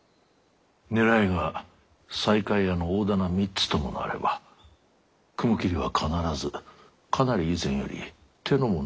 狙いが西海屋の大店３つともなれば雲霧は必ずかなり以前より手の者を店に入れているはずだ。